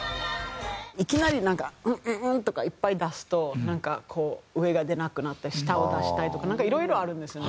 いきなり「ンンン！」とかいっぱい出すとなんか上が出なくなったり下を出したいとかいろいろあるんですよね。